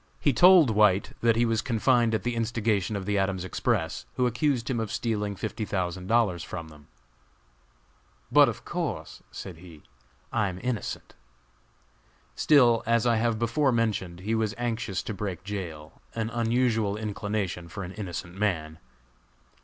He told White that he was confined at the instigation of the Adams Express, who accused him of stealing fifty thousand dollars from them. "But, of course," said he, "I am innocent!" Still, as I have before mentioned, he was anxious to break jail an unusual inclination for an innocent man.